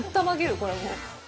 これはもう。